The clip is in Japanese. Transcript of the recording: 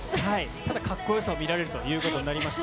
ただ、かっこよさを見られるということになりました。